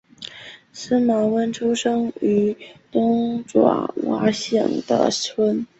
司马温出生于东爪哇省的村。